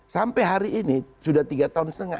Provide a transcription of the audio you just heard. sampai hari ini sudah tiga tahun setengah